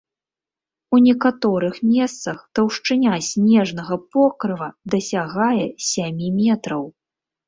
У некаторых месцах таўшчыня снежнага покрыва дасягае сямі метраў!